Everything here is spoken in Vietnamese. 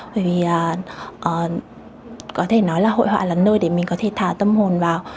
bởi vì có thể nói là hội họa là nơi để mình có thể thả tâm hồn vào